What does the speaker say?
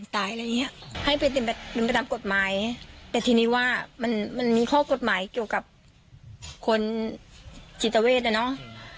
ทีนี้ว่ามันมีข้อกฎหมายเกี่ยวกับคนจิตเวชนะเนาะ